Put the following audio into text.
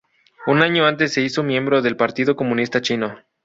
Un año antes se hizo miembro del Partido Comunista Chino.